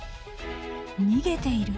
逃げている？